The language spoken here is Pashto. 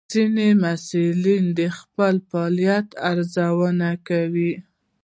ځینې محصلین د خپل فعالیت ارزونه کوي.